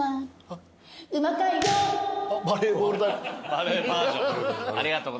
バレーバージョン。